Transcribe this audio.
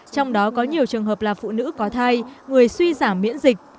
trong đó có nhiều trường hợp là phụ nữ có thai người suy giảm miễn dịch